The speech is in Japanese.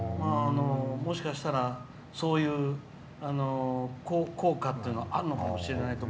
もしかしたら、そういう効果っていうのがあるかもしれない。